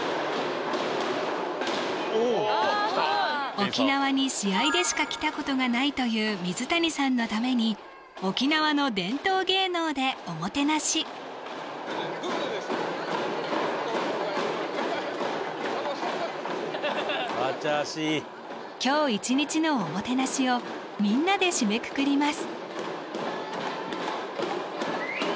沖縄に試合でしか来たことがないという水谷さんのために沖縄の伝統芸能でおもてなし今日一日のおもてなしをみんなで締めくくります